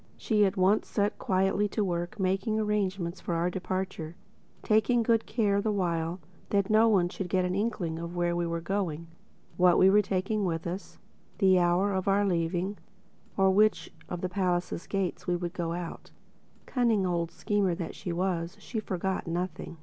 She at once set quietly to work making arrangements for our departure—taking good care the while that no one should get an inkling of where we were going, what we were taking with us, the hour of our leaving or which of the palace gates we would go out by. Cunning old schemer that she was, she forgot nothing.